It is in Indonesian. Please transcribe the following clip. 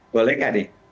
boleh gak nih